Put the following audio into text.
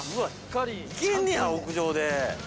◆いけんねや、屋上で。